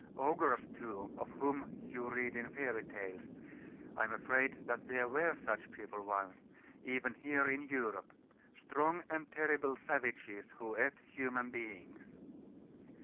Ogres, too of whom you read in fairy tales I am afraid that there were such people once, even here in Europe; strong and terrible savages, who ate human beings.